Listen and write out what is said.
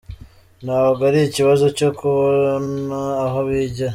Ntabwo ari ikibazo cyo kubona aho bigira ".